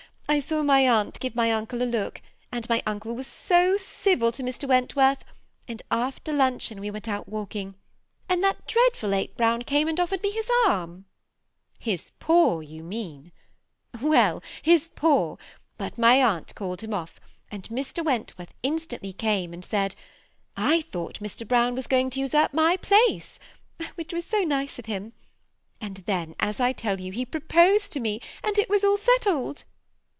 I saw my aunt give my uncle a look, and my uncle was so civil < to Mr. Wentworth ; and after luncheon we went out walking, and thaet dreadful Ape Brown came and offered me his arm." 23.8 THfi SEia ATTACHBD OOUPI4B. ^ His paw, you mean." *^Well, his paw; bat mj aimt called him oS, wad Mr. Wentworth instantly came, and said, ^I thought Mr. Brown was going to usurp my pkoe,' which was ao nice of him; and then, as I tell you, he proposed to me, and it was all settled.'